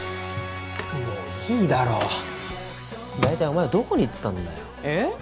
もういいだろ大体お前はどこに行ってたんだよええ？